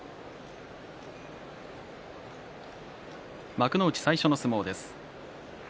幕内最初の相撲です。